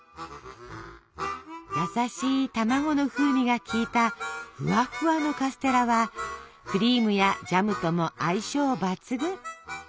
優しい卵の風味が利いたフワフワのカステラはクリームやジャムとも相性抜群。